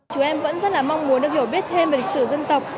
chúng em vẫn rất là mong muốn được hiểu biết thêm về lịch sử dân tộc